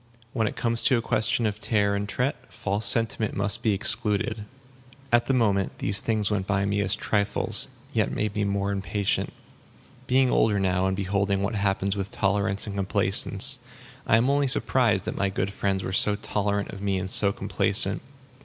When it comes to a question of tare and tret, false sentiment must be excluded. At the moment, these things went by me as trifles, yet made me more impatient. Being older now, and beholding what happens with tolerance and complacence, I am only surprised that my good friends were so tolerant of me and so complacent.